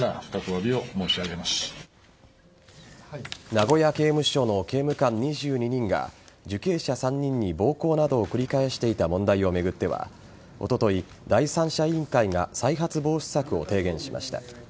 名古屋刑務所の刑務官２２人が受刑者３人に暴行などを繰り返していた問題を巡ってはおととい、第三者委員会が再発防止策を提言しました。